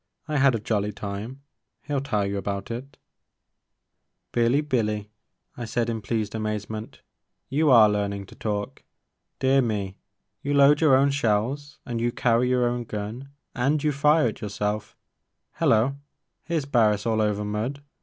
I had a jolly time, — he '11 tell you about it." 31 32 The Maker of Moons. *' Billy! Billy!*' I said in pleased amaze ment, you are learning to talk! Dear me! You load your own shells and you carry your own gun and you fire it yourself — ^liello ! here 's Barris all over mud.